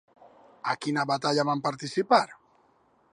A quina batalla van participar?